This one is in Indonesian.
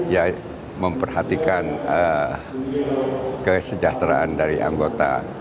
ya memperhatikan kesejahteraan dari anggota